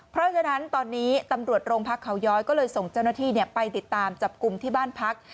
เพราะฉะนั้นตอนนี้ตำรวจโรงพักเขาย้อยก็เลยส่งเจ้าหน้าที่ไปติดตามจับกลุ่มที่บ้านพัก